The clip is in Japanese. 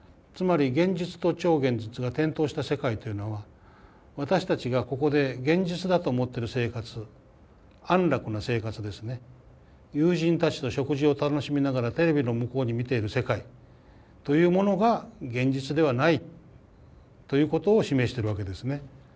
つまり現実と超現実が転倒した世界というのは私たちがここで現実だと思ってる生活安楽な生活ですね友人たちと食事を楽しみながらテレビの向こうに見ている世界というものが現実ではないということを示してるわけですね。